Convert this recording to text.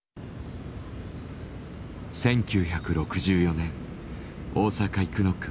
１９６４年大阪生野区